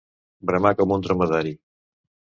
Bramar com un dromedari.